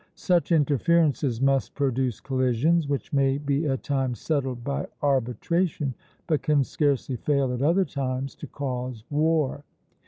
Such interferences must produce collisions, which may be at times settled by arbitration, but can scarcely fail at other times to cause war.